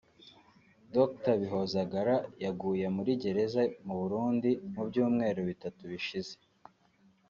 Dr Bihozagara yaguye muri gereza mu Burundi mu byumweru bitatu bishize